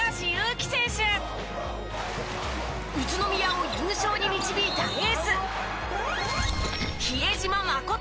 宇都宮を優勝に導いたエース。